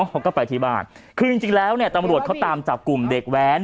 เขาก็ไปที่บ้านคือจริงจริงแล้วเนี่ยตำรวจเขาตามจับกลุ่มเด็กแว้น